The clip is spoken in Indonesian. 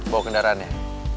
bawa kendaraan ya